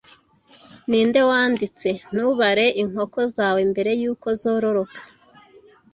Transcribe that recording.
Ninde wanditse Ntubare inkoko zawe mbere yuko zororoka